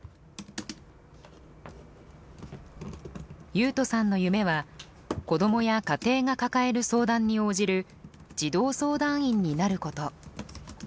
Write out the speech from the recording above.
由宇人さんの夢は子どもや家庭が抱える相談に応じる児童相談員になること。